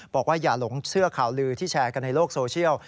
บอกว่าอย่าหลงเชื่อข่าวลือที่แชร์กันในโลกโซเชียล